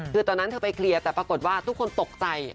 คือตอนนั้นเธอไปเคลียร์แต่ปรากฏว่าทุกคนตกใจ